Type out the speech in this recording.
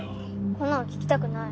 こんなの聞きたくない。